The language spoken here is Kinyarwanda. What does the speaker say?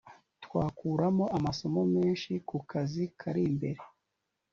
twakuramo amasomo menshi ku kazi kari imbere